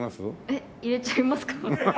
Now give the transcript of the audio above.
えっ入れちゃいますか？